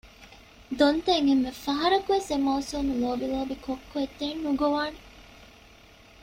ދޮންތައަށް އެންމެ ފަހަރަކުވެސް އެ މައުސޫމު ލޮބިލޯބި ކޮއްކޮއެއް ދެން ނުގޮވާނެ